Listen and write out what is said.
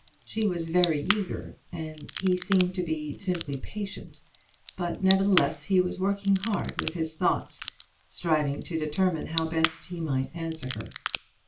She was very eager, and he seemed to be simply patient, but nevertheless he was working hard with his thoughts, striving to determine how best he might answer her.